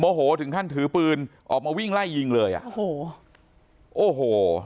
โมโหถึงท่านถือปืนออกมาวิ่งไล่ยิงเลยอ่ะโอ้โห